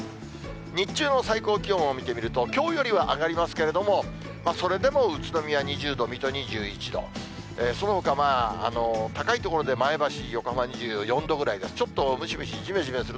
日中の最高気温を見てみると、きょうよりは上がりますけれども、それでも宇都宮２０度、水戸２１度、そのほか高い所で前橋、横浜２４度ぐらいです。